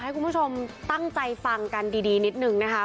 ให้คุณผู้ชมตั้งใจฟังกันดีนิดนึงนะคะ